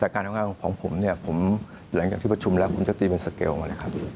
แต่การทำงานของผมเนี่ยผมหลังจากที่ประชุมแล้วผมจะตีเป็นสเกลมาเลยครับ